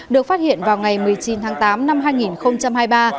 được phát hiện vào ngày một mươi chín tháng tám năm hai nghìn hai mươi ba